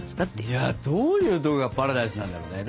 いやどういうとこがパラダイスなんだろうね。